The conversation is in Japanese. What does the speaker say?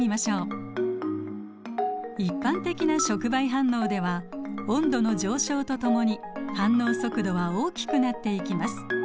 一般的な触媒反応では温度の上昇とともに反応速度は大きくなっていきます。